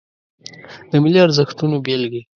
د ملي ارزښتونو بیلګې